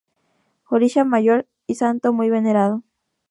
Orisha mayor y santo muy venerado.